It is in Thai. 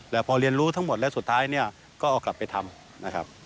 แล้วพอเรียนรู้ทั้งหมดแล้วสุดท้ายก็เอากลับไปทำ